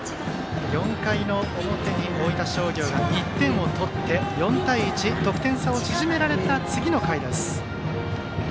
４回の表に大分商業が１点を取って、４対１得点差を縮められた次の回です。